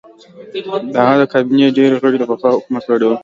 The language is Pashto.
د هغه د کابینې ډېر غړي د پخوا حکومت غړي وو.